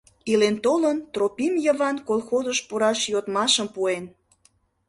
Илен-толын, Тропин Йыван колхозыш пураш йодмашым пуэн.